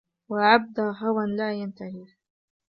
وَعَبْدَ هَوًى لَا يَنْتَهِي